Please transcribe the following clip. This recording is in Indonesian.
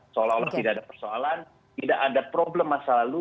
seolah olah tidak ada persoalan tidak ada problem masa lalu